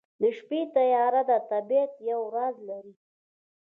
د شپې تیاره د طبیعت یو راز لري.